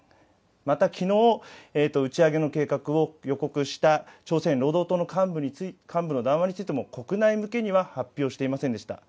またきのう、打ち上げの計画を予告した朝鮮労働党の幹部の談話についても、国内向けには発表していませんでした。